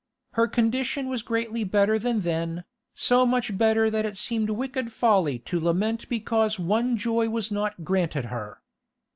Her condition was greatly better than then, so much better that it seemed wicked folly to lament because one joy was not granted her.